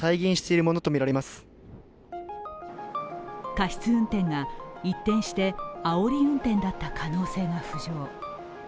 過失運転が一転してあおり運転だった可能性が浮上。